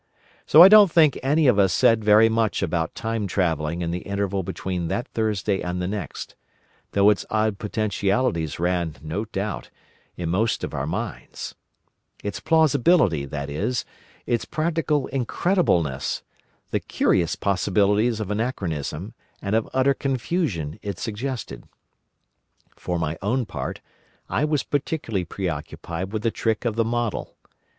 So I don't think any of us said very much about time travelling in the interval between that Thursday and the next, though its odd potentialities ran, no doubt, in most of our minds: its plausibility, that is, its practical incredibleness, the curious possibilities of anachronism and of utter confusion it suggested. For my own part, I was particularly preoccupied with the trick of the model.